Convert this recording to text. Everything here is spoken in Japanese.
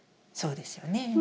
そうですよね。